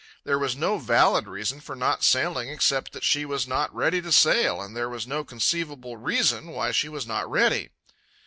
There was no valid reason for not sailing except that she was not ready to sail, and there was no conceivable reason why she was not ready.